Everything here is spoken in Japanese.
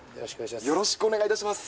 よろしくお願いします。